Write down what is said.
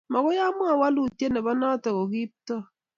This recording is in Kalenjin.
Magoi amwaun walutiet nebo notok koKiptooo